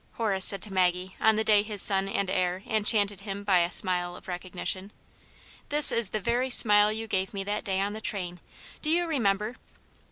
" Horace said to Maggie on the day his son and heir enchanted him by a smile of recognition. "This is the very smile you gave me that day on the train. Do you remember